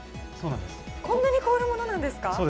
こんなに凍るものなんですか。